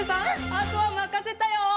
あとはまかせたよ！